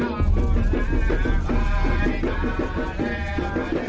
เพลง